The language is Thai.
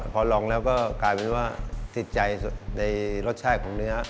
พอลองแล้วก็กลายเป็นว่าติดใจในรสชาติของเนื้อ